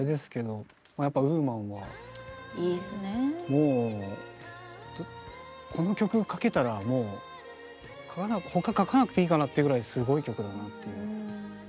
もうこの曲書けたらもう他書かなくていいかなっていうぐらいすごい曲だなっていう。